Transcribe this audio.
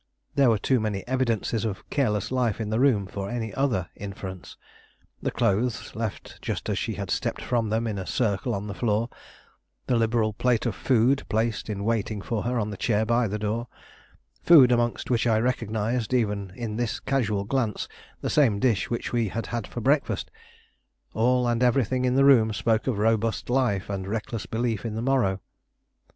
There were too many evidences of careless life in the room for any other inference. The clothes, left just as she had stepped from them in a circle on the floor; the liberal plate of food placed in waiting for her on the chair by the door, food amongst which I recognized, even in this casual glance, the same dish which we had had for breakfast all and everything in the room spoke of robust life and reckless belief in the morrow.